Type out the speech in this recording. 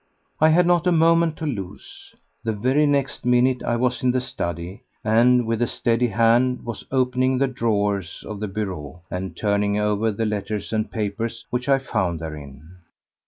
I had not a moment to lose. The very next minute I was in the study and with a steady hand was opening the drawers of the bureau and turning over the letters and papers which I found therein.